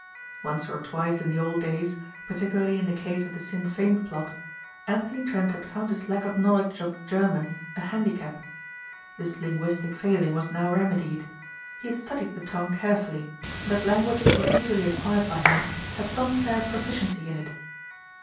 Once or twice in the old days, particularly in the case of the Sinn Fein plot Anthony Trent had found his lack of knowledge of German a handicap. This linguistic failing was now remedied. He had studied the tongue carefully; and as languages were easily acquired by him had some fair proficiency in it.